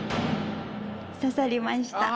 刺さりました。